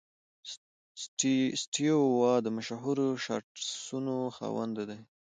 سټیو وا د مشهور شاټسونو خاوند دئ.